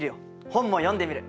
本も読んでみる！